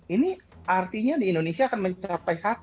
ini artinya di indonesia akan mencapai satu